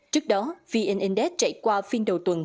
trước đó vnintex chạy qua phiên đầu tuần